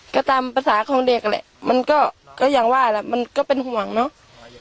ก็ตามภาษาของเด็กแหละมันก็อย่างว่าแหละมันก็เป็นห่วงเนาะ